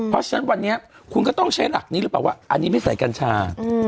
เพราะฉะนั้นวันนี้คุณก็ต้องใช้หลักนี้หรือเปล่าว่าอันนี้ไม่ใส่กัญชา